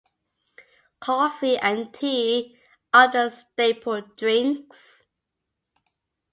Coffee and tea are the staple drinks.